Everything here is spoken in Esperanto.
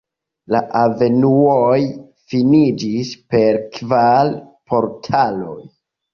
La avenuoj finiĝis per kvar portaloj.